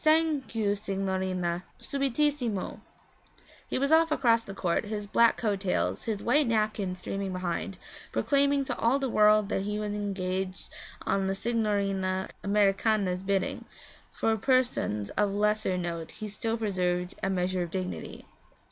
'Sank you, signorina. Subitissimo!' He was off across the court, his black coat tails, his white napkin streaming behind, proclaiming to all the world that he was engaged on the Signorina Americana's bidding; for persons of lesser note he still preserved a measure of dignity.